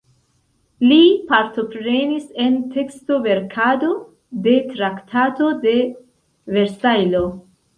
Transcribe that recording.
Li partoprenis en teksto-verkado de Traktato de Versajlo.